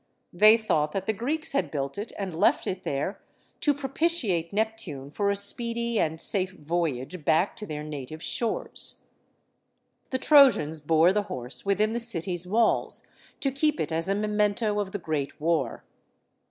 They thought that the Greeks had built it and left it there, to propitiate Nep tune for a speedy and safe voyage back to their native shores. The Trojans bore the horse within the city's walls, to keep it as a memento of the great war.